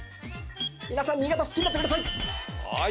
皆さん新潟好きになってください